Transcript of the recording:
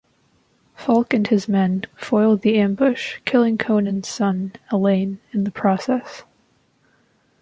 Fulk and his men foiled the ambush, killing Conan's son, Alain, in the process.